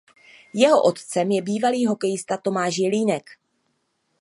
Jeho otcem je bývalý hokejista Tomáš Jelínek.